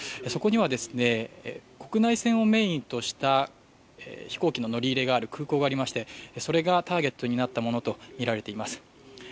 そこには国内線をメインとした飛行機の乗り入れがある空港がありましてそれがターゲットになったものとみられています。